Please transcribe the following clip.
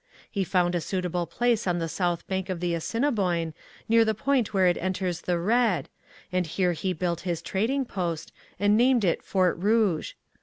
He found a suitable place on the south bank of the Assiniboine, near the point where it enters the Red, and here he built his trading post and named it Fort Rouge.